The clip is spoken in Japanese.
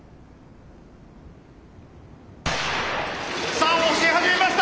さあ押し始めました！